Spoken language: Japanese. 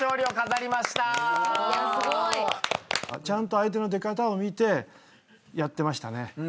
ちゃんと相手の出方を見てやってましたね。